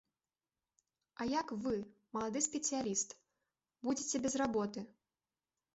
А як вы, малады спецыяліст, будзеце без работы?